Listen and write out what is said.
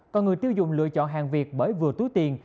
còn người tiêu dùng lựa chọn hàng việc bởi vừa túi tiền